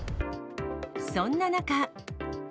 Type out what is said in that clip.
そんな中。